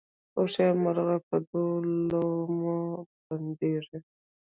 هوښیار مرغه په دوو لومو بندیږي